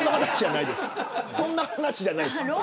そんな話じゃないです。